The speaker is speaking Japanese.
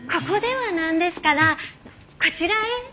ここではなんですからこちらへ。